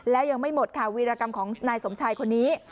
แล้วยังไม่หมดค่ะวีรกรรมของนายสมชายคนนี้